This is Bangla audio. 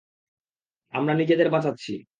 আমরা নিজেদের বাঁচাচ্ছি।